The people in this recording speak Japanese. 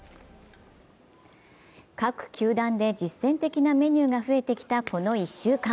各球団で実戦的なメニューが増えてきたこの１週間。